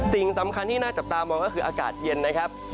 สิ่งสำคัญที่น่าจับตามองก็คืออากาศเย็นนะครับ